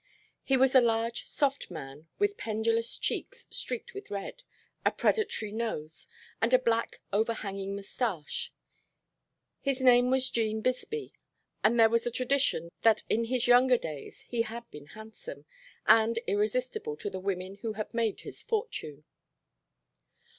He was a large soft man with pendulous cheeks streaked with red, a predatory nose, and a black overhanging mustache. His name was 'Gene Bisbee, and there was a tradition that in his younger days he had been handsome, and irresistible to the women who had made his fortune.